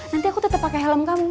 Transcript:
nanti aku tetep pake helm kamu